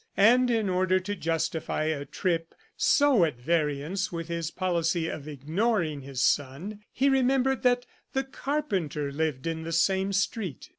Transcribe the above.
And in order to justify a trip so at variance with his policy of ignoring his son, he remembered that the carpenter lived in the same street.